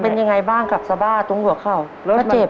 เป็นยังไงบ้างกับสบ้าตรงหัวเข่าแล้วก็เจ็บ